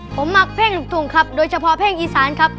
ผมหมักเพ่งถุงครับโดยเฉพาะเพ่งอีสานครับ